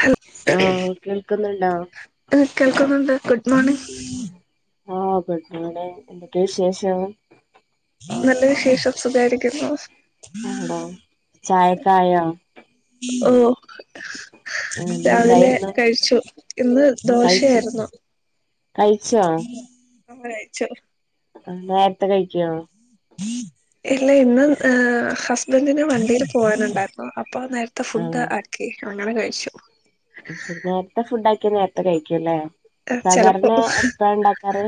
ഹ ആഹ് കേൾക്കുന്നുണ്ടോ കേൾക്കുന്നുണ്ട് ഗുഡ് മോർണിംഗ് ആഹ ഗുഡ് മോർണിംഗ് എന്തൊക്കെ വിശേഷം? നല്ല വിശേഷം സുഗായിരിക്കുന്നു ആടോ ചായക്കായോ? ഓ ഇന്ന് രാവിലെ എന്തായിരുന്നു കഴിച്ചു ഇന്ന് കഴിച്ചു ദോശയായിരുന്നു കഴിച്ചോ കഴിച്ചു ആഹ് നേരത്തെ കഴിക്കുവോ? ഇല്ല ഇന്നു ആ ഹസ്ബൻഡിന് വണ്ടിൽ പോകാനുണ്ടായിരുന്നു അപ്പൊ നേരത്തെ ത്തെ ആണോ ഫുഡ് ആക്കി, അങ്ങനെ കഴിച്ചു നേരത്തെ ഫുഡ് ആക്കിയ നേരത്തെ കഴിക്കുംല്ലേ, ചെലപ്പോ സാധാരണ എപ്പഴാ ഉണ്ടാക്കാറ്?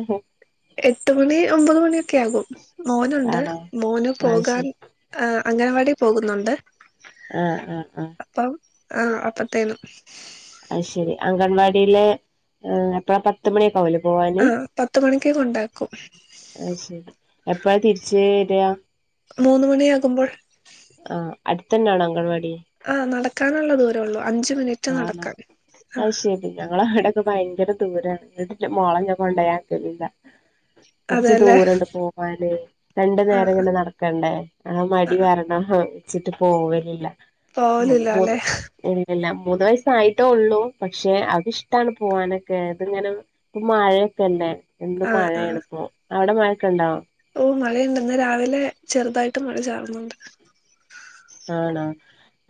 എട്ട് മണി ഒമ്പത് മണിയൊക്കെ ആകും മോനുണ്ട് ആണോ മോന് ആഹ് പോകാൻ ശരി അംഗനവാടി പോകുന്നുണ്ട് ആഹ ആഹ ആഹ അപ്പം ആഹ് അപ്പത്തേനും അയ്ശെരി അംഗൻവാടില് എപ്പഴാ പത്തുമണിയൊക്കാവില്ലേ പോവാന്? പത്തു മണിക്ക്‌ കൊണ്ടാക്കും അഹ് ശരി എപ്പഴാ തിരിച്ച് വരിക? മൂന്ന് മണിയാകുമ്പോൾ. ആഹ, അടുത്തന്നാണൊ അംഗൻവാടി? ആ, നടക്കാനുള്ള ദൂരേള്ളൂ. അഞ്ച് മിനിറ്റ് നടക്കാൻ. ആ. ഞങ്ങളവിടക്ക ഭയങ്കര ദൂരാണ്, മോള ഞൻ കൊണ്ടോയാക്കലില്ല. കുറച്ച് അതെല്ലേ ദൂരണ്ട് പോകാന്. രണ്ടു നേരം ആഹ് ഇങ്ങനെ നടക്കണ്ടേ, ആ മടി ആഹ് കാരണം... ച്ചിട്ട് പോവലില്ല, ഉം, പോവലില്ല മൂന്ന് അല്ലെ എന്തെല്ലാം? മൂന്ന് വയസായിട്ടേ ഉള്ളൂ, പക്ഷെ അവക്കിഷ്ട്ടാണ് പോവാനൊക്കെ, ഇതിങ്ങനെ... ഇപ്പ മഴയൊക്കെല്ലെ, എന്ത് ആഹ് ആഹ് മഴയണി പ്പൊ? അവിടെ മഴൊക്കെ ഉണ്ടോ? ഓ മഴയുണ്ട്ന്ന്, രാവിലെ ചെറുതായിട്ട് മഴ ചാർന്നുണ്ട്. ആണോ?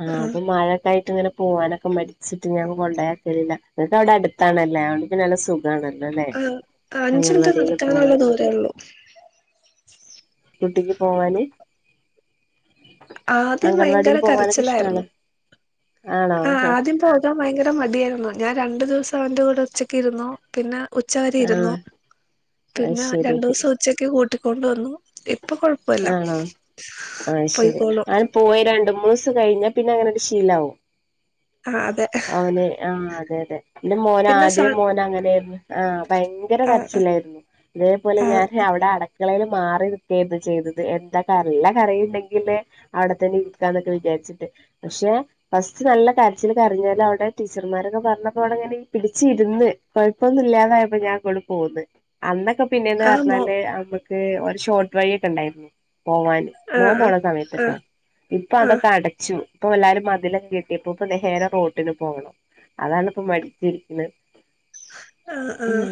ആ അപ്പൊ മഴക്കായിട്ട് ഇങ്ങനെ.. പോവാനൊക്കെ മടിച്ചിട്ട് ഞാൻ കൊണ്ടോയ് യാക്കലില്ല. നിങ്ങൾക്ക് അവിടെ അടുത്താണല്ലേ? അടുത്ത് നല്ല സുഖം അതാല്ലോ ല്ലെ ആഹ് അഞ്ച് മിനിറ്റ് നടക്കാനുള്ള ദൂരേ ഉള്ളൂ കുട്ടിക്ക് പോകാന് ആദ്യം അംഗൻവാടിൽ ഭയങ്കര പോവാനൊക്കെ ഇഷ്ടാണ് കരച്ചിലായിരുന്നു ആണോ ആഹ് ആദ്യം പോ ഇരിക്കാൻ ഭയങ്കര മടിയായിരുന്നു ഞാൻ രണ്ട് ദിവസം അവന്റെ കൂടെ ഉച്ചക്കിരുന്നു പിന്നെ ഉച്ചവരെ ഇരുന്നു ആഹ് അത് പിന്നെ ശരി രണ്ടു ദിവസം ഉ ഉച്ചക്ക് കൂട്ടിക്കൊണ്ട് വന്നു ഇപ്പൊ കൊഴപ്പുല്ല ആണോ ആഹ് ശരി അങ്ങനെ പോയി രണ്ട് മൂന്ന് ദിവസം കഴിഞ്ഞാ പിന്നെ അങ്ങനെ ഒരു ശീലമാവും ആഹ് അതെ അവനെ ആഹ് അതെ അതെ ന്റെ മോന പിന്നെ സ ആദ്യം മോന അങ്ങനെ ആയിരുന്നു, ആഹ ഭയങ്കര ആഹ് ആഹ് കരച്ചിലായിരുന്നു. ഇതേപോലെ ആഹ് ഞാൻ അവിടെ അടക്കളയില് മാറി നിക്കെയായിരുന്നു ചെയ്തത് എന്താ കറി ഉള്ള കറിയുണ്ടെങ്കില് അവിടെത്തന്നെ ഇരിക്കാ എന്നൊക്കെ വിചാരിച്ചിട്ട് പക്ഷെ ഫസ്റ്റ് നല്ല കാര്യച്ചില് കരഞ്ഞാല് അവിടെ ടീച്ചർമാരൊക്കെ പറഞ്ഞപ്പോ അവിടെങ്ങനെ പിടിച്ചി ഇരുന്ന് കുഴപ്പൊന്നും ഇല്ലാതായപ്പോ ഞാൻ ഇങ്ങട് പോന്ന് അന്നൊക്കെ പിന്നെയന്ന് ആഹ് മോ പറഞ്ഞാല് നമ്മുക്ക് ഒരു ഷോർട്ട് വഴിയൊക്കെ ഉണ്ടായിരുന്നു പോവാന് ആഹ് മോൻ ആഹ് പോണ ആഹ് സമയത്ത്ട്ടോ ഇപ്പൊ ആഹ് അതൊക്കെ അടച്ചു. ഇപ്പൊ എല്ലാരും മതില് കെട്ടിയൊപ്പ ഇപ്പൊ നേര റോട്ടിന് പോകണം അതാണ്പ്പൊ മടിച്ചിരിക്കുന്നത് ആഹ് ആഹ്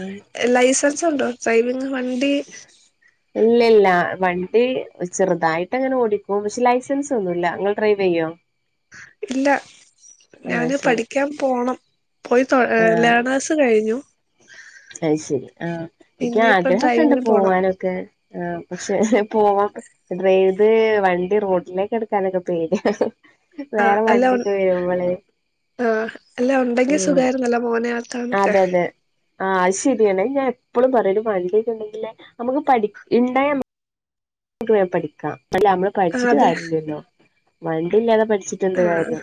ലൈസൻസ് ഉണ്ടോ ഡ്രൈവിങ് വണ്ടി ഇല്ല ഇല്ല വണ്ടി ചെറുതായിട്ട് അങ്ങനെ ഓടിക്കും പക്ഷെ ലൈസൻസ് ഒന്നുല്ല ഇങ്ങൾ ഡ്രൈവ് ചെയ്യോ ഇല്ല ആഹ ഞാന് ശരി പഠിക്കാൻ പോണം പോയി തോ ആഹ ലേണേർസ് കഴിഞ്ഞു അത് ശരി ആഹ് എനിക്ക് ഇനിയിപ്പോ ആഗ്രഹക്കണ്ട് ഡ്രൈവിങ്ങിന് പോണം പോവാനൊ ക്കെ ആഹ് പക്ഷെ പോവാ ഡ്രൈത് വണ്ടി റോഡിലേക്ക് എടുക്കാനൊക്കെ പേടിയ വേറെ വണ്ടിയൊക്കെ വരുമ്പളെ ആഹ് അല്ല ഉണ്ടെങ്കി സുഖമായിരുന്നല്ലോ മോനെ ആകാനൊക്കെ ആഹ് അത് ശരിയാണ് ഞാൻ എപ്പോളും പറയും ഒരു വണ്ടി ഒക്കെ ഉണ്ടെങ്കിലെ നമുക്ക് പഠി ഇണ്ടായ മ ക്ക് വേഗം പഠിക്കാം അല്ല നമ്മള് ആ പഠിച്ചിട്ട് അതെ കാര്യമില്ലല്ലോ വണ്ടി ഇല്ലാതെ പഠിച്ചി ആ ന്താ കാര്യം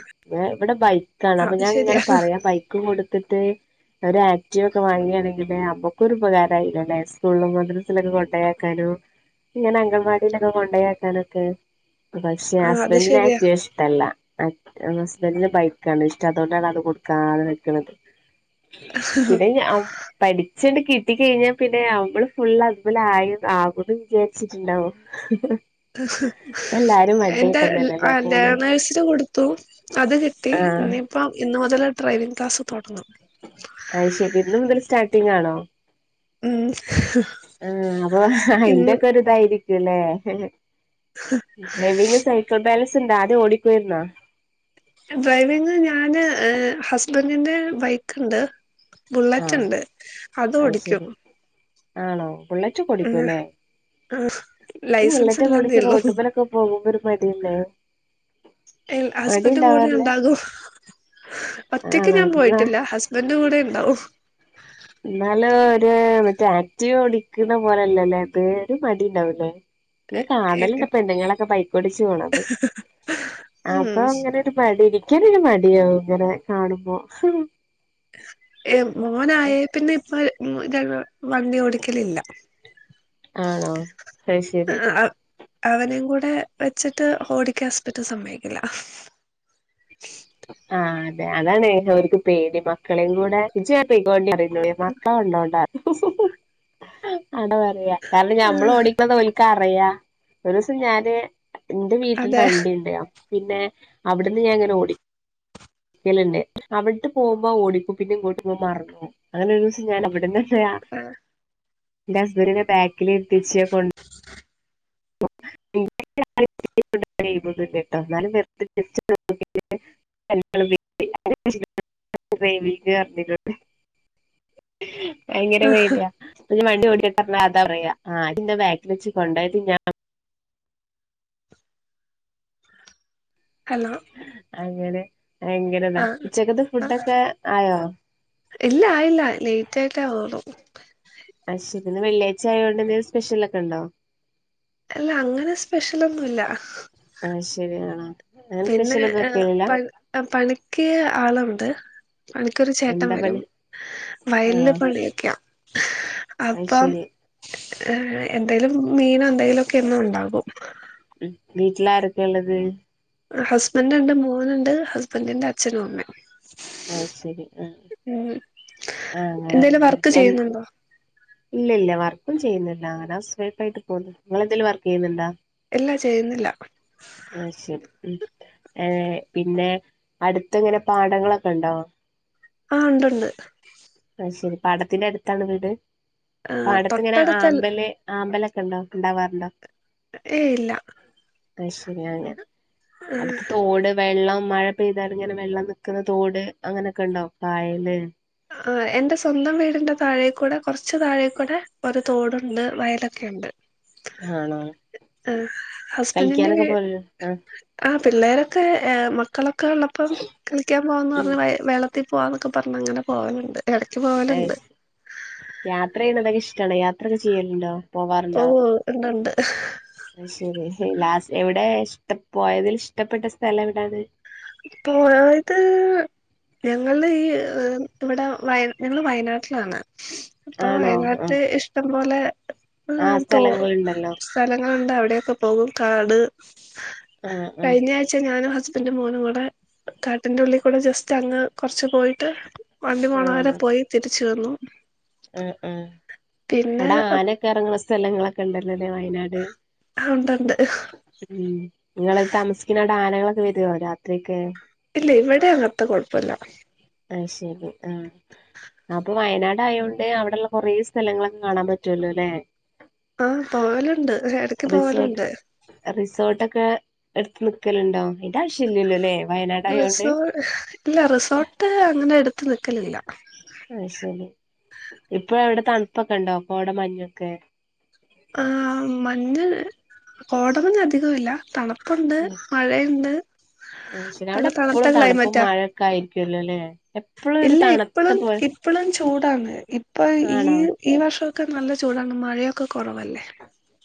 ഇവിടെ ബൈക്കാണ് അപ്പൊ അത് ഞാൻ ഇങ്ങനെ ശരിയാ പറയാ ബൈക്ക് കൊടുത്തിട്ട് ഒരു ആക്റ്റീവ ഒക്കെ വാങ്ങിയാണെങ്കില് അമ്മുക്കൊ രു ഉപകാരായിനല്ലെ സ്കൂളിലും മദ്രസയിലൊക്കെ കൊണ്ടേയാക്കാനും ഇങ്ങനെ അങ്കൻവാടിയിലൊക്കെ കൊണ്ടയാക്കാനൊക്കെ പക്ഷെ ആ അത് ഹസ്ബൻഡിന് ശരിയാ ആക്റ്റിവ ഇഷ്ട ട്ടല്ല ഹസ്ബൻഡന് ബൈക്കാണ് ഇഷ്ടം അതുകൊണ്ടാണ് അത് കൊടുക്കാത നിക്കണത് പിന്നെ ഞ പഠിച്ചണ്ട് കിട്ടി കഴിഞ്ഞാ പിന്നെ അവമ്മള് ഫുള് അതിമ്മല് ആയി ആകന്ന് വിചാരിച്ചിട്ടുണ്ടാവും അ ഇപ്പ [unintelligible] എല്ലാരും എന്റെ വണ്ടിയായിട്ടന്നല്ലല്ലേ ആഹ് പോണത് ലേണേഴ്സിന് കൊടുത്തു അത് കിട്ടി ആഹ് ഇനി ഇപ്പോം ഇന്ന് മുതല് ഡ്രൈവിംഗ് ക്ലാസ് തുടങ്ങും അയ്ശെരി ഇന്ന് മുതല് സ്റ്റാർട്ടിംഗ് ആണോ ഉം ആഹ് അപ്പൊ ഇന്ന് അയിന്റെക്കൊരിത് ക്കായിരിക്കല്ലേ ഡ്രൈവിംഗ് സൈക്കിൾ ബാലൻസ് ണ്ടാ ആദ്യം ഓടിക്കോയിരുന്നോ ഡ്രൈവിംഗ് ഞാന് ഹസ്ബന്റിന്റെ ബൈക്ക്ണ്ട് ആഹ് ബുള്ളറ്റ്ണ്ട് അത് ഓടിയ്ക്കും ആണോ ബുള്ളറ്റൊക്കെ ഓടിക്കുവല്ലേ ഈ ലൈസൻസ് ഇല്ലാന്നേ ബുള്ളറ്റൊക്കോടിച്ച് ഉള്ളൂ റോട്ടമലൊക്കെ പോകുമ്പോ ഒരു മടിയല്ലേ ഇൽ മടി ഹസ്ബൻഡ് കൂടെ ഇണ്ടാവാറില്ല ഉണ്ടാകും ഒറ്റയ്ക്ക് ആണോ ഞാൻ എന്നാ പോയിട്ടില്ല ഹസ് ബന്റ് കൂടെ ഇണ്ടാവും ന്നാലൊരു മറ്റേ ആക്ടിവ ഓടിക്ക്‌ന്ന പോലെല്ലല്ലോ അത് ഒരു മടിണ്ടാവൂലെ ഞാൻ കാണലിണ്ട് പെണ്ണുങ്ങളൊക്കെ ബൈക്കോടിച്ച് പോണത് അപ്പൊങ്ങനെ മടി ഇരിക്കാനൊരു മടിയാവും ഇങ്ങനെ കാണുമ്പോ ഏഹ് മോനായേ പിന്നെ ഇപ്പൊ ഉം വണ്ടി ഓടിക്കലില്ല ആണോ അയ്ശേരി അ അവനേം കൂടെ വെച്ചിട്ട് ഓടിക്കാൻ ഹസ്ബന്റ് സമ്മയിക്കില്ല ആഹ് അതെ അതാണ് അവർക്ക് പേടി മക്കളേം കൂടെ ഇജാ പൊയ്ക്കൊണ്ടി പറയുന്നോടെയ് മക്കള് ഉള്ളോണ്ട അതാ പറയാ കാരണം ഞമ്മള് ഓടിക്കണത് ഒൽക്കറിയാ ഒരു ദിവസം ഞാന് ന്റെ വീട്ടിൽ അതെ വണ്ടി ണ്ട് അപ്പൊ പിന്നെ അവിടുന്ന് ഞാൻ ങ്ങനെ ഓടി ടിക്കലിണ്ട് അവിട പോകുമ്പോ ഓടിക്കും പിന്നെ ഇങ്ങോട്ട് പോരുമ്പോ മറന്നോവും അങ്ങനെ ഒരു ദിവസം ഞാൻ അവിടുന്ന് ന്റെ ഹസ്ബൻഡ് നെ ബാക്കിൽ ഇര്ത്തിച്ചെ കൊ [inaudible] [inaudible] ഭയങ്കര പേട്യാ വണ്ടി ഓടിക്കട്ടെ പറഞ്ഞ അതാ പറയാ ആയിന്നെ ബാക്കിൽ വെച്ച് കൊണ്ടോയത് ഞാ ഹലോ അങ്ങനെ ഭയങ്കര ആഹ് താഉച്ചക്കത്തെ ഫുഡ്‌ ആഹ് ഒക്കെ ആയോ ഇല്ല ആയില്ല ലേറ്റ് ആയിട്ടാവൊള്ളൂ അയ്ശേരി ഇന്ന് വെള്ളിയായിച്ചയോണ്ട് ന്തേലും സ്പെഷ്യൽ ഒക്കെ ണ്ടോ അല്ല അങ്ങനെ സ്പെഷ്യലൊന്നുല്ല ആഹ് ശരിയാണോ പിന്നെ ഏഹ് പ പണിക്ക് ആളുണ്ട് എടക്കൊരു ചേട്ടം എന്താ വരും പണി വയല് ആണോ പണിയൊക്കെയാ അത് അപ്പം ശരി ഏഹ് എന്തേലും മീനോ എന്തെലൊക്കെ എന്നും ഉണ്ടാവും വീട്ടിലാരൊക്കെ ഉള്ളത് ഹസ്ബൻഡ് ണ്ട് മോനുണ്ട് ഹസ്ബൻഡ്ന്റെ അച്ഛനും അമ്മയും അയ്ശേരി ആഹ് ആഹ് ഉം അങ്ങനെ എന്തേലും ഉം വർക്ക് എൻ ചെയ്യുന്നുണ്ടോ ഇല്ല ഇല്ല വർക്കൊന്നും ചെയ്യുന്നില്ല ഞാന് ഹൗസ് വൈഫായിട്ട് പോകുന്നു നിങ്ങളെന്തേലും വർക്ക് ചെയ്യുന്നുണ്ടാ ഇല്ല ചെയ്യുന്നില്ല അയ്ശേരി ഉം ഏഹ് പിന്നെ അടുത്ത്ങ്ങനെ പാടങ്ങളൊക്കെ ണ്ടോ ആ ഉണ്ടുണ്ട് ആഹ് ശരി പാടത്തിന്റെ അടുത്താണോ വീട് പാടത്തിങ്ങനെ തൊട്ടടുത്ത ആമ്പല് ആമ്പലൊക്കെ ണ്ടോ ണ്ടാവാറുണ്ടോ ഏയ് ഇല്ല അത് ശരി അങ്ങനെ അടുത്ത തോട് വെള്ളംമഴപെയ്താൽഇങ്ങനെവെള്ളം നിക്കുന്ന തോട് അങ്ങനെയൊക്കെ ഉണ്ടോ കായല് ആഹ്എന്റെ സ്വന്തം വീടിന്റെ താഴേക്കൂടെ കുറച്ച താഴെക്കൂടെ ഒരു തോടുണ്ട് വയലൊക്കെയുണ്ട് ആണോ? കളിക്കാനൊക്കെ [unintelligible] ആഹ ആഹ് പിള്ളേരൊക്കെ മക്കളൊക്കെള്ളപ്പം കളിക്കാൻ പോവാന്ന് ഉം പറഞ്ഞ വള ത്തി പോവാന്നൊക്കെ പറഞ് അങ്ങനെ പോവലുണ്ട് ഇടക്ക് പോവലുണ്ട് [unintelligible] യാത്ര ചെയ്യുന്നത് അതൊക്കെ ഇഷ്ടണ യാത്രയൊക്കെ ചെയ്യലുണ്ടോ? ഓഹ് ഇണ്ടണ്ട് അത്ശരി ലാസ്റ്റ് എവിടെ ഇഷ്ട പോയതിൽ ഇഷ്ടപ്പെട്ട സ്ഥലം എവിടാണ്? പോയത് ഞങ്ങൾത് ഈ ഇവടെ വ ഞങ്ങള് വയനാട്ടിലാണ് ഇപ്പം ആണോ വയനാട്ടിൽ ഇഷ്ടം പോലെ ആഹ് തോ സ്ഥലങ്ങള് ഇണ്ടല്ലോ? സ്ഥലങ്ങളുണ്ട് അവിടൊക്കെ പോകും കാട് ആ ആ കഴിഞ്ഞ ആഴ്ച ഞാനും ഹസ്ബൻഡും മോനും കൂടെ കാട്ടിന്റെ ഉള്ളിൽ കൂടെ ജസ്റ്റ് അങ്ങ് കുറച്ച് പോയിട്ട് വണ്ടി പോണവരെ പോയി തിരിച്ചു വന്നു ഉം ഉം പിന്നെ അവിടെ ആനൊക്കെ ഇറങ്ങുന്ന സ്ഥലങ്ങളൊക്കെ ഉണ്ടല്ലലേ വഴി നാട് ഉണ്ടുണ്ട് ഉം നിങ്ങള താമസിക്കുന്നടെ ആനകളൊക്കെ വരുവോ രാത്രിയൊക്കെ? ഇല്ല ഇവിടെ അങ്ങനത്തെ കൊഴപ്പ ഇല്ല അത് ശരി ആഹ് ആപ്പൊ വയനാട് ആയോണ്ട് തേ അവിടെള്ള കുറേ സ്ഥലങ്ങളൊക്കെ കാണാൻ പറ്റുല്ലോ ലേ? ആഹ് പോവലുണ്ട് ഇടക്ക് പോവലുണ്ട് റിസോർട്ട ഒക്കെ എടുത്ത് നിക്കലുണ്ടോ അതിന്റൊവശ്യ ഇല്ലല്ലോ ലേ വയനാട് ആയൊണ്ട് റിസോ ഇല്ല റിസോർട്ട് അങ്ങനെ എടുത്ത് നിക്കലില്ല അത് ശരി ഇപ്പൊ എവിടെ തണുപ്പൊക്കെ ഇണ്ടോ കോട മഞ്ഞൊക്കെ ആഹ് മഞ്ഞ് കോടമഞ്ഞ് അധിക ഇല്ല തണുപ്പുണ്ട് മഴയിണ്ട് അത് ശരി അവടെ എപ്പോഴും തണുപ്പും മഴൊക്കെ ആയിരിക്കല്ലോ ലേ എപ്പഴും ഒരു ഇല്ല തണുപ്പ ഇപ്പളും ഇപ്പളും ചൂടാണ് ഇപ്പ ഈ ആണോ ഈ വർഷ ഒക്കെ നല്ല ചൂടാണ് മഴയൊക്കെ കുറവല്ലേ?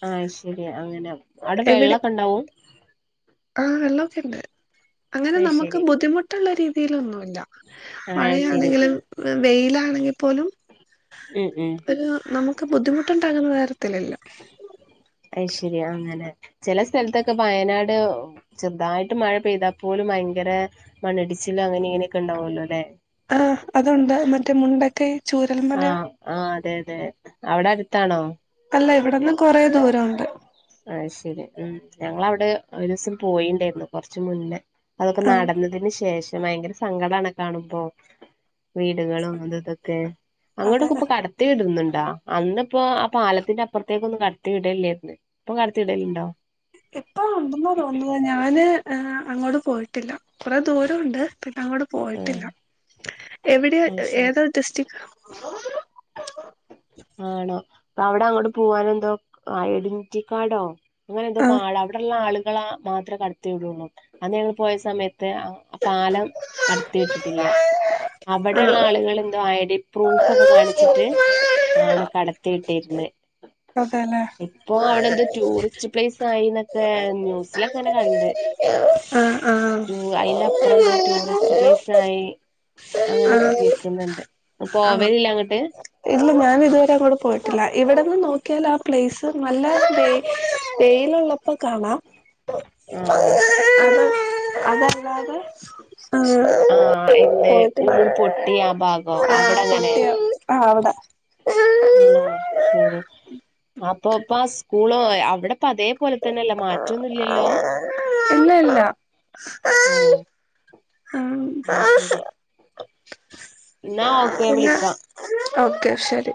ആഹ് അത്ശരി അങ്ങനെ അടെ വെള്ളക്കെ ഇണ്ടാവും ആഹ് വെള്ളൊക്കെ ഇണ്ട് അങ്ങനെ അത് നമക്ക് ശരി ബുദ്ധിമുട്ട്ള്ള രീതിയിലൊന്നും ഇല്ല ആ ശരി മഴയാണെങ്കിലും വെയിലാണെങ്കിൽ പോലും ഉം ഉം ഒരു നമുക്ക് ബുദ്ധിമുട്ടുണ്ടാകുന്ന കാര്യത്തിലില്ല അത് ശരി അങ്ങനെ ചില സ്ഥലത്തൊക്കെ വയനാട് ചെറുതായിട്ട് മഴ പെയ്താൽപോലും ഭയങ്കര മണ്ണിടിച്ചില അങ്ങനെ ഇങ്ങനെയൊക്കെ ഉണ്ടാവല്ലോ ലേ? ആഹ് അതുണ്ട് മറ്റേ മുണ്ടക്കയ് ആഹ് ആഹ് അതെ അതെ അവിടെ അടുത്താണോ? അല്ല ഇവിടന്ന് കൊറേ ദൂരണ്ട് ആഹ്ശരി ഉം ഞങ്ങളവിടെ ഒരു ദിവസം പോയിണ്ടായിരുന്നു കുറച്ച്മുന്നേ അതൊക്കെ ആ നടന്നതിന് ശേഷം ഭയങ്കര സങ്കടാണ് കാണുമ്പോ വീടുകളും അത് ഇതൊക്കെ അതെ അങ്ങോട്ടൊക്കെ. ഇപ്പ കടപ് ത്തി ഇടുന്നുണ്ടോ അന്നിപ്പോ ആ പാലത്തിന്റെ അപ്പുറത്തേക്ക ഒന്ന് കടത്തിവിടല്ലേര്ന്ന് ഇപ്പം കടത്തിടല് ണ്ടോ ഇപ്പം ഉണ്ടെന്ന് തോന്നുന്നു ഞാന് അങ്ങോട്ട് പോയിട്ടില്ല കുറേ ദൂരണ്ട് പിന്നെ അങ്ങോടെ ആഹ് പോയിട്ടില്ല എവിടെയ അത് ശരി ഏതാ ഡിസ്ട്രിക്റ്റ്? ആണോ അവിടെ അങ്ങണ്ട് പോവാനെന്തോ ഐഡന്റിറ്റി കാഡോ അങ്ങനന്തോ‌ ആഹ് കാട് അവിടെള്ള ആളുകള മാത്ര കണ് ത്തി വിടുള്ളൂ അന്ന് ഞങ്ങള് പോയ സമയത്ത് പാലം കടത്തിട്ടിട്ടില്ല അവിടെള്ള ആഹ് ആളുകൾ എന്തോ ഐ ഡി പ്രൂഫൊക്കെ കാണിച്ചിട്ട് ആണ് കടത്തി വിട്ടിരുന്നേ അതെല്ലേ ഇപ്പൊ അവിടെന്തോ ടൂറിസ് പ്ലേസായിന്നൊക്കെ ആഹ് ന്യൂസിലൊക്കെങ്ങനെ കണ്ട് ആഹ് ആഹ് ടു അയിന്റെപ്പുറം എന്താ ടൂറിസ്റ്റ് പ്ലേസ് ആയി അങ്ങനൊക്കെ കേക്കുന്നുണ്ട് ആഹ് പോവലില്ല അങ്ങട്ട് ഇല്ല ഞാൻ ഇതുവരെ അങ്ങോട്ട് പോയിട്ടില്ല ഇവിടെന്ന് നോക്കിയാൽ ആ പ്ലേസ് നല്ലാ ഡേ തെലുള്ള പ്പൊ കാണാം ആണോ. അത് അതല്ലാതെ ആ എന്ത് പോയിട്ടില്ല ഉരുൾ പൊട്ടിയ ആ ഭാഗോ ആ അവിടെ അങ്ങനെ പൊട്ടിയാ ആഹ് ഔടെ.. ആഹ് ശരി. അപ്പൊപ്പ സ്കൂളോ അ അവിടെപ്പ അതേ.. എന്താ ആ [unintelligible] [inaudible] ഇന്നാ ഓക്കെ ഞാ വിളിക്കാ. ഓക്കെ ശരി..